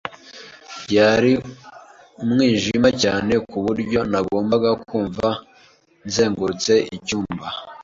Byari umwijima cyane ku buryo nagombaga kumva nzengurutse icyumba.